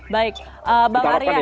baik bang arya